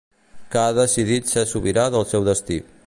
Que ha decidit ser sobirà del seu destí.